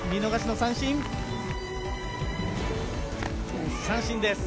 三振です。